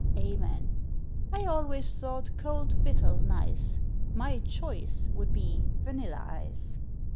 Amen ! I always thought cold victual nice ;— My choice would be vanilla ice.